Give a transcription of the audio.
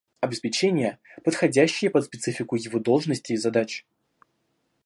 Обеспечение, подходящее под специфику его должности и задач